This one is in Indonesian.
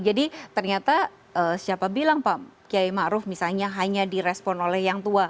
jadi ternyata siapa bilang pak kiai ma'ruf misalnya hanya di respon oleh yang tua